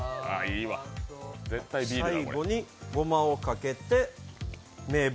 最後にごまをかけて名物！